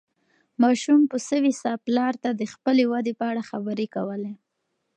ماشوم په سوې ساه پلار ته د خپلې ودې په اړه خبرې کولې.